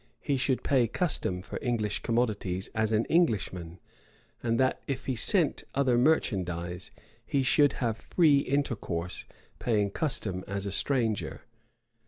he should pay custom for English commodities as an Englishman; and that if he sent other merchandise, he should have free intercourse, paying custom as a stranger.